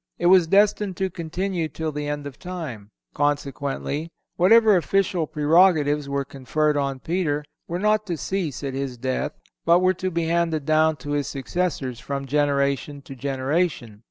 It was destined to continue till the end of time; consequently, whatever official prerogatives were conferred on Peter were not to cease at his death, but were to be handed down to his successors from generation to generation.